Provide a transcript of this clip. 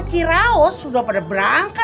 ciraos sudah pada berangkat